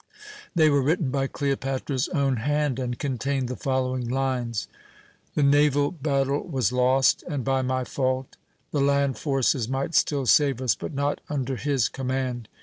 They were written by Cleopatra's own hand, and contained the following lines: "The naval battle was lost and by my fault. The land forces might still save us, but not under his command.